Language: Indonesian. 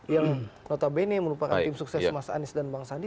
yang notabene merupakan tim sukses mas anies dan bang sandi